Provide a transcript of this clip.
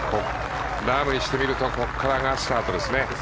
ラームにしてみるとここからがスタートですね。